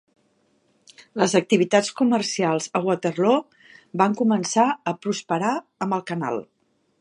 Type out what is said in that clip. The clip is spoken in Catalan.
Les activitats comercials a Waterloo van començar a prosperar amb el canal.